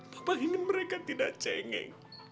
bapak ingin mereka tidak cengeng